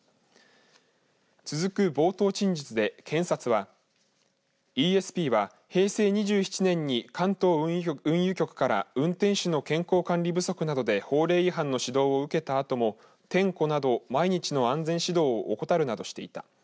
続く冒頭陳述で検察はイーエスピーは平成２７年に関東運輸局から運転手の健康管理不足などで法令違反の指導を受けたあとも点呼など毎日の安全指導を怠るなどしていた。